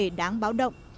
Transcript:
vấn đề đáng báo động